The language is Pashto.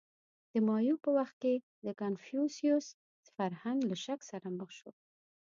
• د مایو په وخت کې د کنفوسیوس فرهنګ له شک سره مخ شو.